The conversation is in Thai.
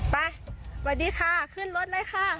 ไปสวัสดีค่ะขึ้นรถเลยค่ะ